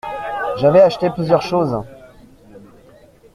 J’avais acheté plusieurs choses.